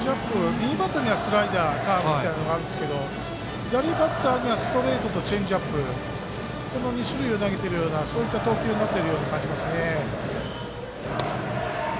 右バッターにはスライダーカーブみたいなのがあるんですが左バッターにはストレートとチェンジアップこの２種類を投げてるようなそういった投球になっている感じがしますね。